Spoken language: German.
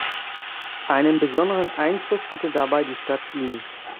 Einen besonderen Einfluss hatte dabei die Stadt Wien.